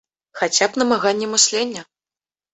Хаця б намаганні мыслення.